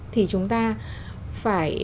thì chúng ta phải